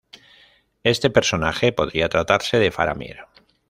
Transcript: Este personaje podría tratarse de Faramir.